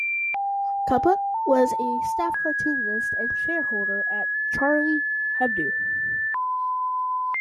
Cabut was a staff cartoonist and shareholder at "Charlie Hebdo".